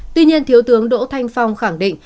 tuy nhiên thiếu tướng đỗ thanh phong khẳng định